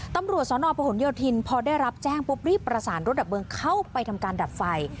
ตำรวจสนประหลโยธินพอได้รับแจ้งปุ๊บรีบประสานรถดับเพลิงเข้าไปทำการดับไฟ